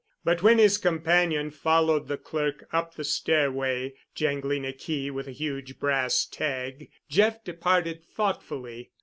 But when his companion followed the clerk up the stairway, jangling a key with a huge brass tag, Jeff departed thoughtfully.